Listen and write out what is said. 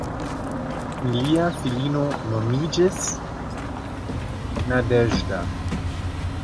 Ilia filino nomiĝis "Nadeĵda".